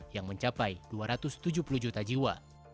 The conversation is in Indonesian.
yang mencapai dua ratus tujuh puluh juta jiwa